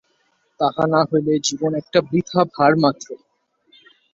তাহা না হইলে জীবন একটা বৃথা ভারমাত্র।